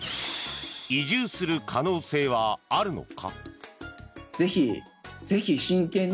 移住する可能性はあるのか。